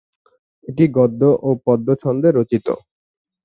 এটি গদ্য ও পদ্য ছন্দে রচিত।